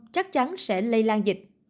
chắc chắn sẽ lây lan dịch